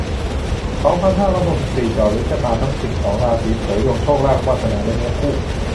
สองพันห้าร้อยหกสิบสี่ เจาะลึกชะตาทั้ง สิบสอง ราศี เผยดวงโชคลาภ วาสนา และเนื้อคู่